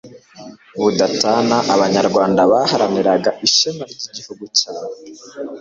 budatana Abanyarwanda baharaniraga ishema ry Igihugu cyabo